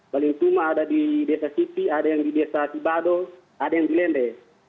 baling suma ada di desa sipi ada yang di desa sibado ada yang di lende